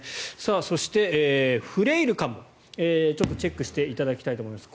そしてフレイルかもちょっとチェックしていただきたいと思います。